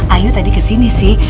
ayu tadi kesini sih